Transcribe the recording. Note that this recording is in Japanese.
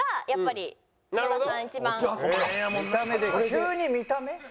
急に見た目？